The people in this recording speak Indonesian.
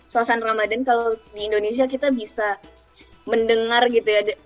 suasana ramadan kalau di indonesia kita bisa mendengar gitu ya